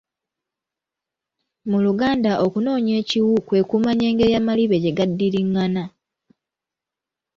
Mu luganda okunoonya ekiwu kwe kumanya engeri amalibe gye gaddiriŋŋana.